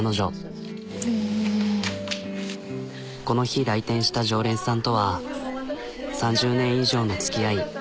この日来店した常連さんとは３０年以上のつきあい。